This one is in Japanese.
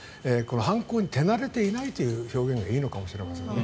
犯行に手慣れていないという表現がいいのかもしれませんね。